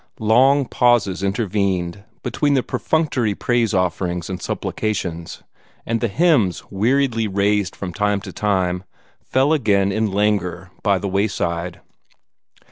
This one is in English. Long pauses intervened between the perfunctory praise offerings and supplications, and the hymns weariedly raised from time to time fell again in languor by the wayside.